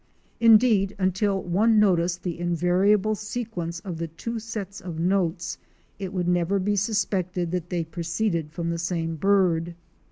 Indeed, until one noticed the invariable sequence of the two sets of notes, it would never be suspected that they proceeded from the same bird.